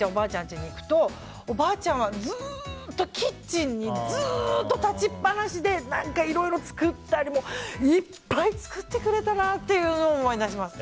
家に行くとおばあちゃんはずっとキッチンに立ちっぱなしでいろいろ作ったりいっぱい作ってくれたなっていうのを思い出します。